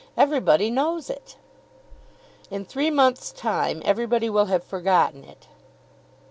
Everybody knows it." "In three months' time everybody will have forgotten it."